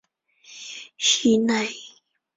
长教简氏大宗祠的历史年代为清。